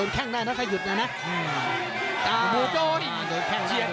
ไม้กล่าวมีรวมกันห้ามือน่ะเอาไม่อยู่หรอ